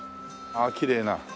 ああきれいな。